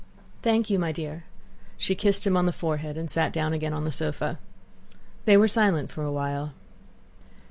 "Thank you, my dear." She kissed him on the forehead and sat down again on the sofa. They were silent for a while.